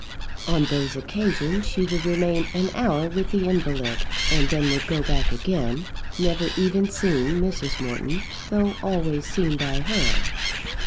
On those occasions she would remain an hour with the invalid, and then would go back again, never even seeing Mrs. Morton, though always seen by her.